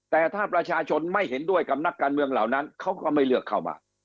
แต่ถ้าประชาชนไม่เห็นด้วยกับนักการเมืองเหล่านั้นเขาก็ไม่เลือกเข้ามา